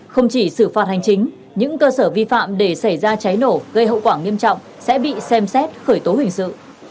không chỉ xử phạt hành chính những cơ sở vi phạm để xảy ra cháy nổ gây hậu quả nghiêm trọng sẽ bị xem xét khởi tố hình sự